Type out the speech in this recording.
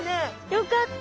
よかった。